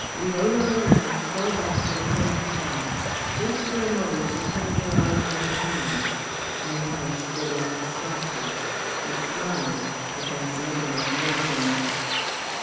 Leona Lalage fell back with a faint cry. Just for a moment she covered her eyes with her hands. Lalage stood like a statue. He smiled, but there was nothing of mirth in it.